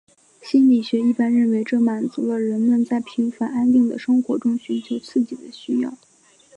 心理学一般认为这满足了人们在平凡安定的生活中寻求刺激的需要。